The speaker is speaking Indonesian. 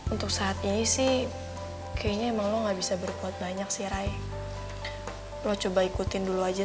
untuk saat ini sih kayaknya emang lo gak bisa berbuat banyak sih ray lo coba ikutin dulu aja